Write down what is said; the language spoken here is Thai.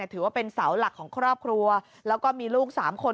ถือว่าเป็นเสาหลักของครอบครัวแล้วก็มีลูก๓คน